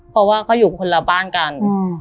เพราะว่าเขาอยู่คนละบ้านกัน